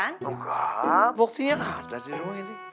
enggak buktinya nggak ada di rumah ini